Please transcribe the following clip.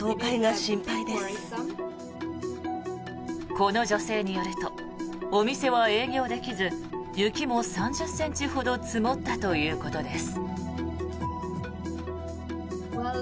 この女性によるとお店は営業できず雪も３０ｃｍほど積もったということです。